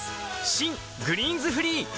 新「グリーンズフリー」